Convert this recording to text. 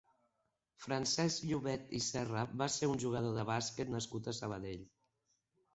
Francesc Llobet i Serra va ser un jugador de bàsquet nascut a Sabadell.